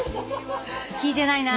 聞いてないな！